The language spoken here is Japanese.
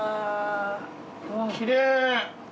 きれい！